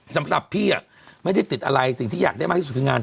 สำหรับพี่ไม่ได้ติดอะไรสิ่งที่อยากได้มากที่สุดคืองาน